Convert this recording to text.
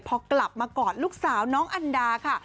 พอกลับมากอดลูกสาวน้องอันดาค่ะ